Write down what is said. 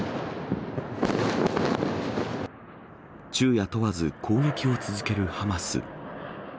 昼夜問わず攻撃を続けるハマス。